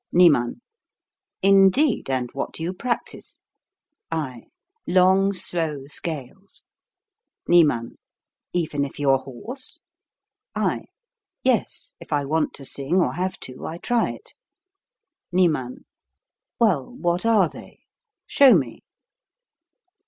Niem. Indeed; and what do you practise? /. Long, slow scales. Niem. Even if you are hoarse ?/. Yes; if I want to sing, or have to, I try it. Niem. Well, what are they? Show me.